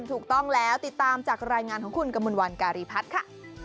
ถูกต้องแล้วติดตามจากรายงานของคุณกมลวันการีพัฒน์ค่ะ